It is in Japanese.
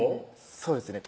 そうですね